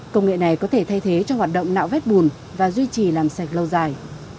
công nghệ này có thể thay thế cho hoạt động nạo vét bùn và duy trì làm sạch lâu dài